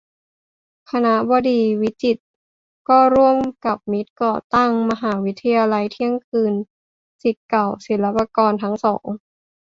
คณบดีวิจิตร ก็ร่วมกับมิตรก่อตั้ง "มหาวิทยาลัยเที่ยงคืน" ศิษย์เก่าศิลปากรทั้งสอง